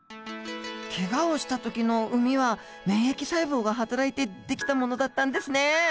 けがをした時の膿は免疫細胞がはたらいて出来たものだったんですね！